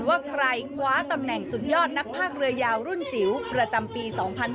ว่าใครคว้าตำแหน่งสุดยอดนักภาคเรือยาวรุ่นจิ๋วประจำปี๒๕๕๙